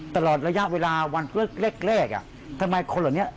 ตลอดระยะเวลาวันแรกทำไมคนเหล่านี้